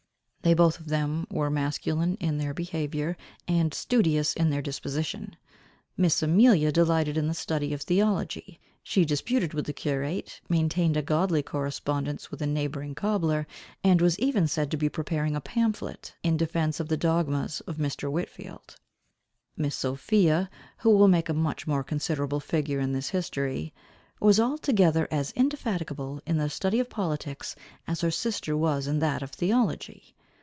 They both of them were masculine in their behaviour, and studious in their disposition. Miss Amelia, delighted in the study of theology; she disputed with the curate, maintained a godly correspondence with a neighbouring cobler, and was even said to be preparing a pamphlet in defence of the dogmas of Mr. Whitfield. Miss Sophia, who will make a much more considerable figure in this history, was altogether as indefatigable in the study of politics, as her sister was in that of theology.